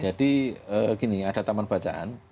jadi gini ada taman bacaan